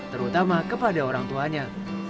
terutama kepada orangnya